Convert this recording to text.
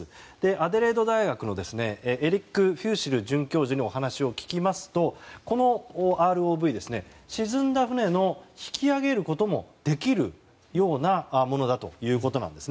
アデレード大学のエリック・フューシル准教授にお話を聞きますと、このＲＯＶ沈んだ船を引き揚げることもできるようなものだということです。